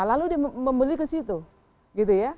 lalu dia membeli ke situ